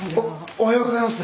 おおはようございます。